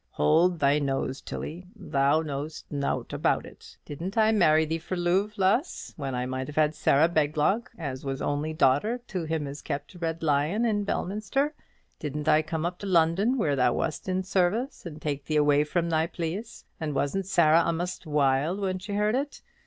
"Hold thy noise, Tilly. Thou knowst nowt aboot it. Didn't I marry thee for loove, lass, when I might have had Sarah Peglock, as was only daughter to him as kept t' Red Lion in Belminster; and didn't I come up to London, where thou wast in service, and take thee away from thy pleace; and wasn't Sarah a'most wild when she heard it?